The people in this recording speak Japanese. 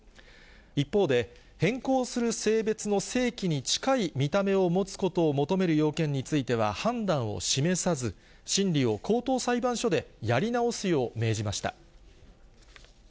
一方で、変更する性別の性器に近い見た目を持つことを求める要件については、判断を示さず、審理を高等裁判所でやり直すよう命じました。